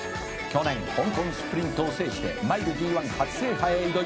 「去年香港スプリントを制してマイルＧⅠ初制覇へ挑みます」